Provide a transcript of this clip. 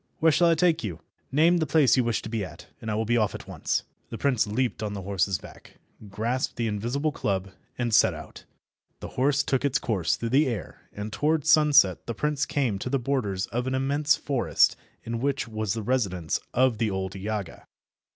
Where shall I take you? Name the place you wish to be at, and we will be off at once." The prince leaped on the horse's back, grasped the invisible club, and set out. The horse took its course through the air, and towards sunset the prince came to the borders of an immense forest in which was the residence of the old Yaga.